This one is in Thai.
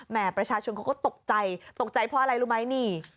ประชาชนเขาก็ตกใจตกใจเพราะอะไรรู้ไหมนี่